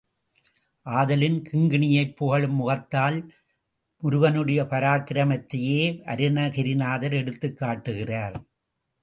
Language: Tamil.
ஆதலின் கிங்கிணியைப் புகழும் முகத்தால் முருகனுடைய பராக்கிரமத்தையே அருணகிரிநாதர் எடுத்துக் காட்டுகிறார்.